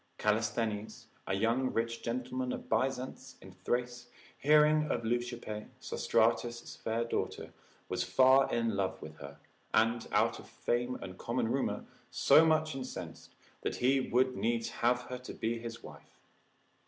Callisthenes a rich young gentleman of Byzance in Thrace, hearing of Leucippe, Sostratus' fair daughter, was far in love with her, and, out of fame and common rumour, so much incensed, that he would needs have her to be his wife.